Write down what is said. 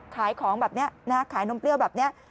ขายของแบบนี้นะขายนมเปรี้ยวแบบนี้